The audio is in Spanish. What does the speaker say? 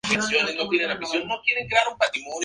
Estos cuatro grupos comparten un ancestro común.